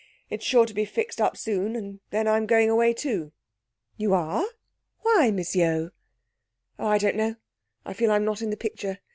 'It's sure to be fixed up soon, and then I'm going away too.' 'You are! Why, Miss Yeo?' 'Oh, I don't know. I feel I'm not in the picture.